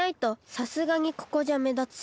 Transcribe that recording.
さすがにここじゃめだつし。